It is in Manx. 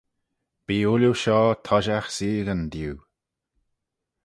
Bee ooilley shoh toshiaght seaghyn diu.